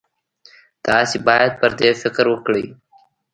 تاسې باید پر دې فکر وکړئ.